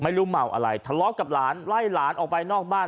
เมาอะไรทะเลาะกับหลานไล่หลานออกไปนอกบ้าน